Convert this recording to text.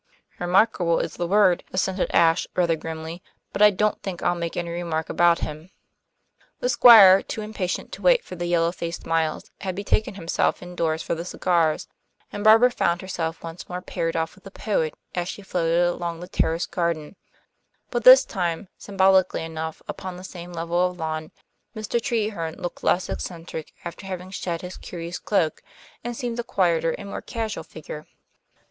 "Remarkable is the word," assented Ashe rather grimly. "But I don't think I'll make any remark about him." The Squire, too impatient to wait for the yellow faced Miles, had betaken himself indoors for the cigars, and Barbara found herself once more paired off with the poet, as she floated along the terrace garden; but this time, symbolically enough, upon the same level of lawn. Mr. Treherne looked less eccentric after having shed his curious cloak, and seemed a quieter and more casual figure.